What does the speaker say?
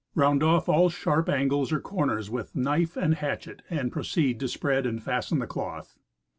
Round off all sharp angles or cor ners with knife and hatchet, and proceed to spread and fasten the cloth.